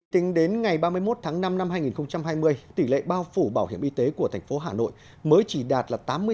tính đến ngày ba mươi một tháng năm năm hai nghìn hai mươi tỷ lệ bao phủ bảo hiểm y tế của thành phố hà nội mới chỉ đạt tám mươi sáu hai mươi chín